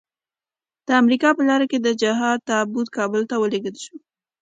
د امريکا په لارۍ کې د جهاد تابوت کابل ته ولېږدول شو.